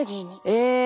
え！